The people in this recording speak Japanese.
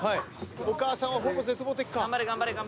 お母さんはほぼ絶望的か？